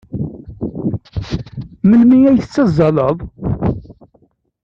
Melmi ay tettazzaleḍ?